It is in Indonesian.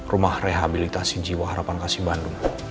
rumah rehabilitasi jiwa harapan kasih bandung